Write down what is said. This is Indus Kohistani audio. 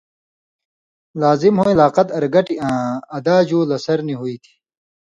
لازم ہُوئیں لاقت ارگٹیۡ آں ادا جُو لَسَر نی ہُوئ تھی۔